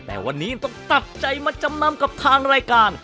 แต่วันนี้ต้องตัดใจมาจำนำกับทางรายการ